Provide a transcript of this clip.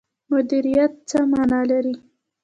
مدیریت څه مانا لري؟